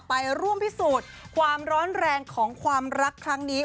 ไปร่วมพิสูจน์ความร้อนแรงของความรักครั้งนี้